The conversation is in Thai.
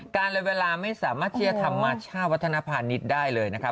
การเรียนเวลาไม่สามารถเชียรธรรมมาช่าวัฒนภาณิชย์ได้เลยนะครับ